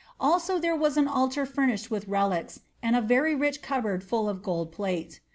Also there was an altar furnished with relics, and a very rich cupboard full of gold plate.